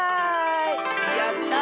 やった！